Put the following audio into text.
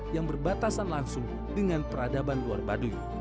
yang berbatasan langsung dengan peradaban luar baduy